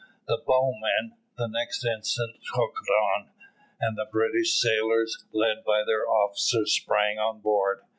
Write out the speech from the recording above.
The bowman the next instant hooked on, and the British sailors, led by their officers, sprang on board.